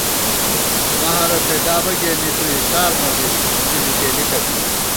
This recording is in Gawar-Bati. مَہَرہ فېدا بہ گېنی تُو اِسارمہ بِس مونی لُٹېلِکہ بی